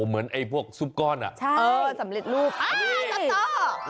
เหมือนไอ้พวกซุปก้อนอ่ะใช่สำเร็จลูกโอ้โหสตอร์